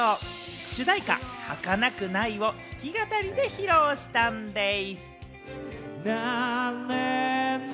主題歌『儚くない』を弾き語りで披露したんでぃす。